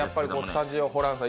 スタジオ、ホランさん